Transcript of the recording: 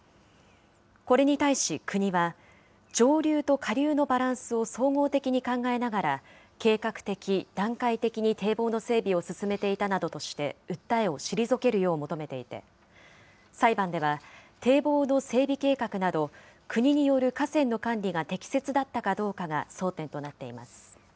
これに対し国は、上流と下流のバランスを総合的に考えながら、計画的・段階的に堤防の整備を進めていたなどとして訴えを退けるよう求めていて、裁判では、堤防の整備計画など、国による河川の管理が適切だったかどうかが争点となっています。